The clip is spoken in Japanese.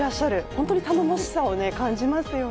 本当に頼もしさを感じますよね。